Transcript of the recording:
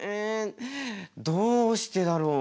どうしてだろう。